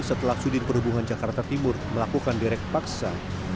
setelah sudir perhubungan jakarta timur melakukan direk paksa